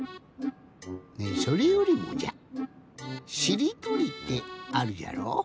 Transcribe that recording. ねえそれよりもじゃしりとりってあるじゃろ？